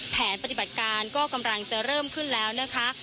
แผนปฏิบัติการก็กำลังจะเริ่มขึ้นแล้วนะคะ